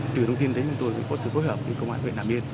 từ đầu tiên đến chúng tôi có sự phối hợp với công an huyện hà miên